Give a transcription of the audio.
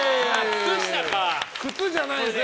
靴じゃないですね。